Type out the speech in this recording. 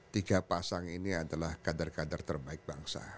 tiga pasang ini adalah kader kader terbaik bangsa